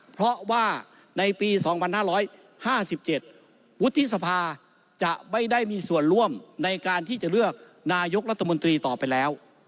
เพราะว่าในปี๒๕๕๗วุฒิสภาจะไม่ได้มีส่วนร่วมในการที่จะเลือกนายกรัฐมนตรีต่อไปแล้ว